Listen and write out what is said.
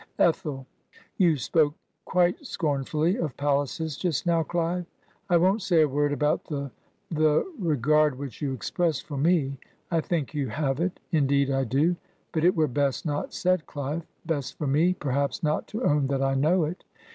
" Ethel. * You spoke quite scornfully of palaces, just now, Clive. I won't say a word about the — ^the regard which you express for me. I think you have it. Indeed, I do. But it were best not said, CHve; best for me, perhaps, not to own that I know it.